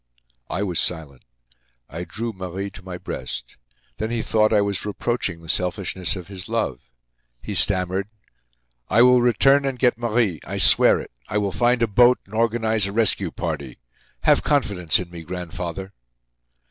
I was silent. I drew Marie to my breast. Then he thought I was reproaching the selfishness of his love. He stammered: "I will return and get Marie. I swear it. I will find a boat and organize a rescue party. Have confidence in me, grandfather!"